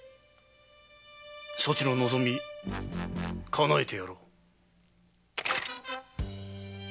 そちの望みかなえてやろう。